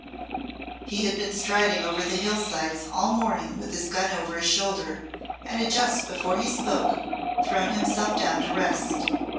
He had been striding over the hillsides all morning with his gun over his shoulder, and had just before he spoke thrown himself down to rest.